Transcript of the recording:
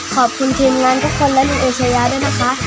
ขอบคุณทีมงานทุกคนและคุณเอเชยาด้วยนะคะ